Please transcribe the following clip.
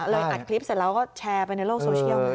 อัดคลิปเสร็จแล้วก็แชร์ไปในโลกโซเชียล